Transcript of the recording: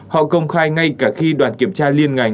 họ công khai ngay cả khi đoàn kiểm tra liên ngành